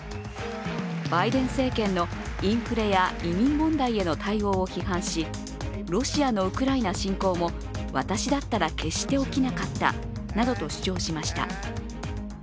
バイデン政権のインフレや移民問題への対応を批判し、ロシアのウクライナ侵攻も私だったら決して起きなかったなどと主張しました。